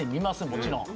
もちろん。